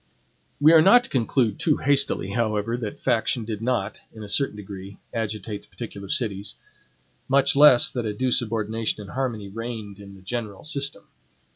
We are not to conclude too hastily, however, that faction did not, in a certain degree, agitate the particular cities; much less that a due subordination and harmony reigned in the general system.